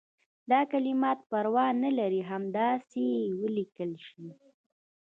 دا کلمات پروا نه لري همداسې ولیکل شي.